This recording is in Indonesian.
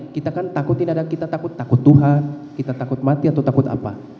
kita kan takut ini kita takut tuhan kita takut mati atau takut apa